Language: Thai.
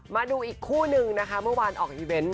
มาดูอีกคู่นึงนะคะเมื่อวานออกอีเวนต์